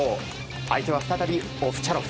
相手は再びオフチャロフ。